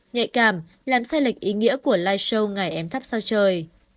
nhạy cảm làm sai lệch ý nghĩa của live show ngày em thắp sao trời